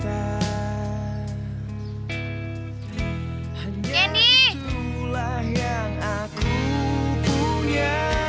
hanya itulah yang aku punya